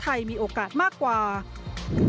แคร์ทรองเพื่อไทยทรงนายมณิภาวะสุดอดีตสชลบุรี